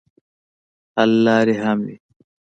حل لارې هم وي.